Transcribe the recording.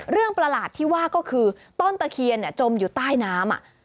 ประหลาดที่ว่าก็คือต้นตะเคียนจมอยู่ใต้น้ำ